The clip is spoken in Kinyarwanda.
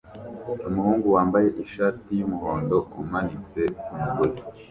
Umuhungu wambaye ishati yumuhondo umanitse kumugozi